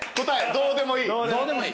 「どうでもいい」